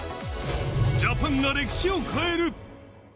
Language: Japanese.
ジャパンが歴史を変える。